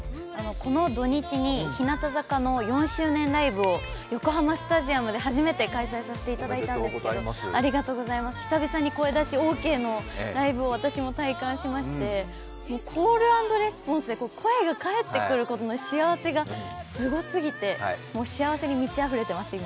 この土日に日向坂の４周年ライブを横浜スタジアムで初めて開催させていただいたんですけれども、久々に声出しオーケーのライブを私も体感しましてコールアンドレスポンスで声が返ってくることの幸せがすごすぎて、もう幸せに満ちあふれてます、今。